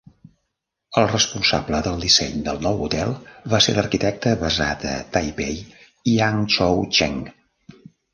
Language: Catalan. El responsable del disseny del nou hotel va ser l'arquitecte basat a Taipei Yang Cho-Cheng.